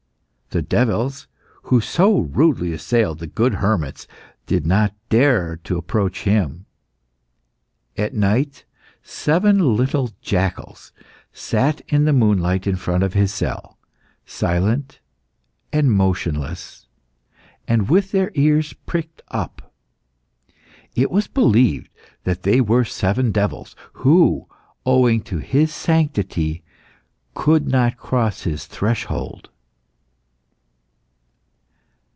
The devils, who so rudely assailed the good hermits, did not dare to approach him. At night, seven little jackals sat in the moonlight in front of his cell, silent and motionless, and with their ears pricked up. It was believed that they were seven devils, who, owing to his sanctity, could not cross his threshold.